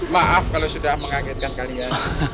maaf kalau sudah mengagetkan kalian